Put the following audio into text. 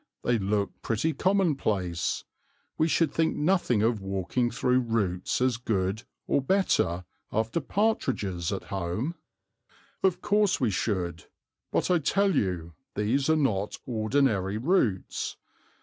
They look pretty commonplace. We should think nothing of walking through roots as good, or better, after partridges at home." Compensation Officer. "Of course we should; but I tell you these are not ordinary roots.